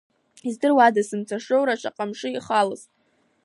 Издыруада сымцашоура Шаҟа мшы ихалоз…